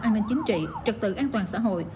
an ninh chính trị trật tự an toàn xã hội